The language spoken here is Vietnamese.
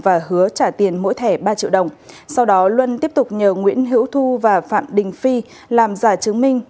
và hứa trả tiền mỗi thẻ ba triệu đồng sau đó luân tiếp tục nhờ nguyễn hữu thu và phạm đình phi làm giả chứng minh